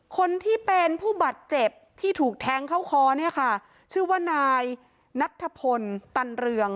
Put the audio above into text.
คนที่เป็นผู้บาดเจ็บที่ถูกแทงเข้าคอเนี่ยค่ะชื่อว่านายนัทธพลตันเรือง